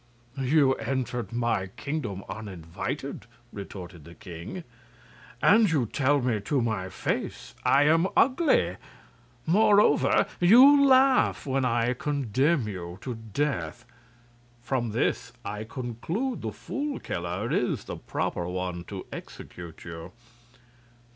"You entered my kingdom uninvited," retorted the king, "and you tell me to my face I am ugly. Moreover, you laugh when I condemn you to death. From this I conclude the Fool Killer is the proper one to execute you.